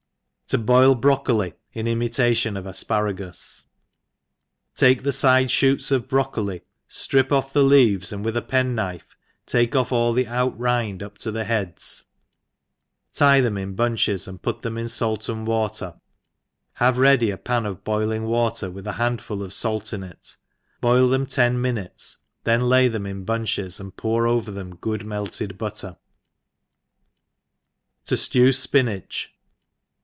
77 To boil Brocoli in Imitation of Asparagus* TAKE the fide (hoots of brocoli, ftrip off the leaves, and with a pen koife tabe off all the out rind up to the heads, tie thena in bunches, and put them in fait and water, have ready ^ pan of boiling water, with a handful of fait in it, boil them ten minutes; then lay them in bunches, and pour over them good melted butter^ To Jiew Spinage.